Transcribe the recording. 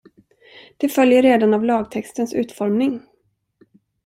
Det följer redan av lagtextens utformning.